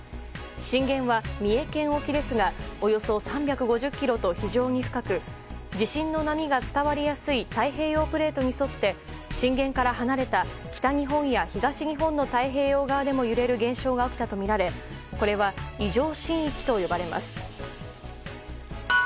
震源は三重県沖ですがおよそ３５０ｋｍと非常に深く地震の波が伝わりやすい太平洋プレートに沿って震源から離れた北日本や東日本の太平洋側でも揺れる現象が起きたとみられこれは異常震域と呼ばれます。